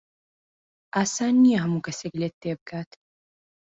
ئاسان نییە هەموو کەسێک لێت تێبگات.